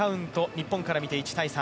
日本から見て１−３。